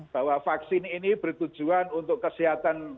bahwa vaksin ini bertujuan untuk kesehatan